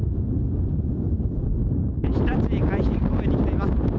ひたち海浜公園に来ています。